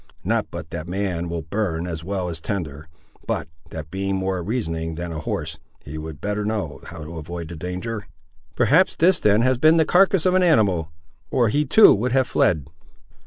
Not but that man will burn as well as tinder; but, that being more reasoning than a horse, he would better know how to avoid the danger." "Perhaps this then has been but the carcass of an animal, or he too would have fled?"